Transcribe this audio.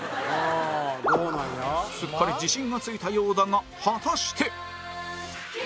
すっかり自信がついたようだが果たして